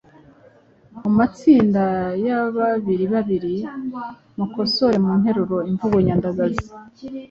Mu matsinda ya babiribabiri mukosore mu nteruro imvugo nyandagazi,